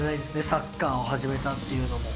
サッカーを始めたっていうのも。